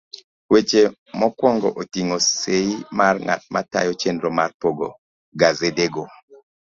Weche mokwongogo oting'o sei mar ng'at matayo chenro mar pogo gasedego.